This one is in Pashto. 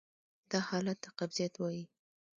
دا حالت ته قبضیت وایې.